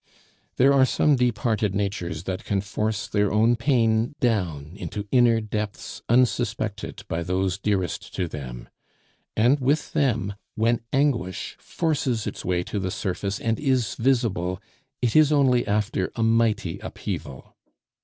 There are some deep hearted natures that can force their own pain down into inner depths unsuspected by those dearest to them; and with them, when anguish forces its way to the surface and is visible, it is only after a mighty upheaval.